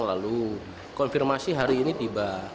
lalu konfirmasi hari ini tiba